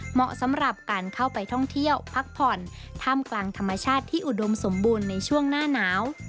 เหมาะสำหรับการเข้าไปท่องเที่ยวพักผ่อนท่ามกลางธรรมชาติที่อุดมสมบูรณ์ในช่วงหน้าหนาว